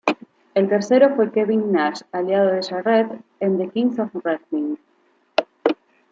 El tercero fue Kevin Nash, aliado de Jarrett en The Kings of Wrestling.